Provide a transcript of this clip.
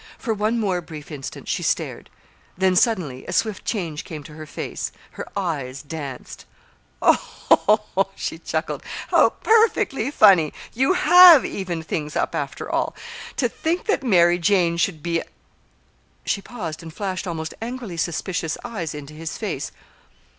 For one more brief instant she stared; then, suddenly, a swift change came to her face. Her eyes danced. "Oh oh!" she chuckled. "How perfectly funny! You have evened things up, after all. To think that Mary Jane should be a " She paused and flashed almost angrily suspicious eyes into his face.